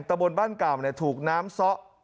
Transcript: ตะบนบ้านเก่าถูกน้ำซ้อ